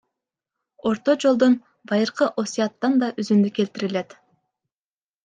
Орто жолдон — Байыркы Осуяттан да үзүндү келтирет.